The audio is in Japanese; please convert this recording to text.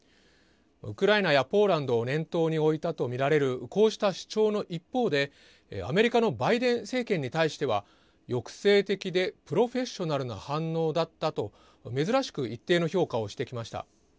ウクライナやポーランドを念頭に置いたと見られるこうした主張の一方でアメリカのバイデン政権に対しては抑制的でプロフェッショナルな反応だったと珍しく一定の評価をしてきました。